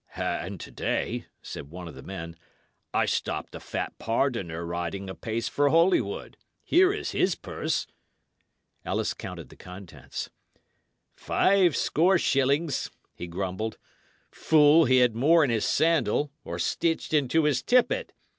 "And to day," said one of the men, "I stopped a fat pardoner riding apace for Holywood. Here is his purse." Ellis counted the contents. "Five score shillings!" he grumbled. "Fool, he had more in his sandal, or stitched into his tippet.